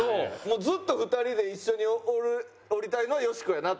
もうずっと２人で一緒におりたいのはよしこやなと思いました